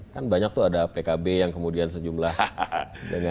kan banyak itu ada pkb yang kemudian sejumlah dengan